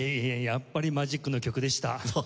やっぱりマジックの曲でした。